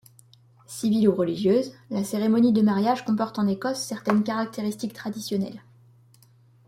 Civile ou religieuse, la cérémonie de mariage comporte en Écosse certaines caractéristiques traditionnelles.